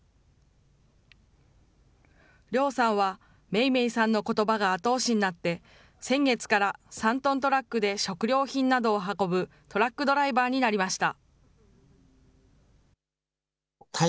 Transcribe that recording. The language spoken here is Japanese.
リョウさんはめいめいさんのことばが後押しになって、先月から３トントラックで食料品などを運ぶトラックドライバーになりました。